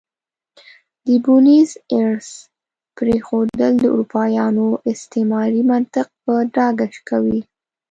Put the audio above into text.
د بونیس ایرس پرېښودل د اروپایانو استعماري منطق په ډاګه کوي.